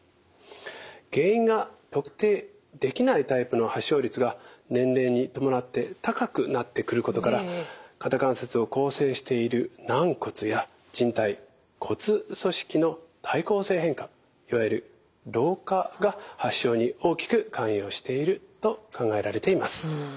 原因が特定できないタイプの発症率が年齢に伴って高くなってくることから肩関節を構成している軟骨やじん帯骨組織の退行性変化いわゆる老化が発症に大きく関与していると考えられています。